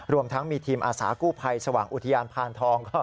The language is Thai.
รวมทั้งมีทีมอาสากู้ภัยสว่างอุทยานพานทอง